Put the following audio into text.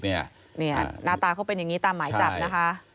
หน้าตาเขาเป็นอย่างนี้ตามหมายจับนะคะ